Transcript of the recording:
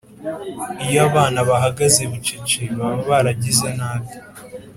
iyo abana bahagaze bucece, baba baragize nabi.